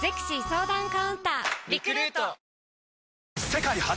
世界初！